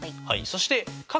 そして∠